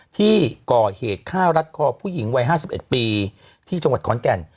ที่ก่อเหตุฆ่ารัดคอผู้หญิงวัย๕๑ปีที่จังหวัดขอนแก่น